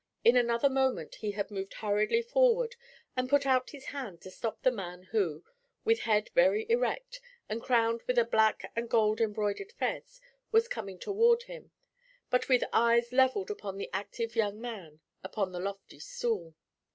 In another moment he had moved hurriedly forward and put out his hand to stop the man who, with head very erect, and crowned with a black and gold embroidered fez, was coming toward him, but with eyes levelled upon the active young man upon the lofty stool.